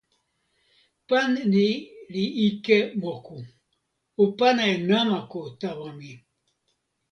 pan ni li ike moku. o pana e namako tawa mi.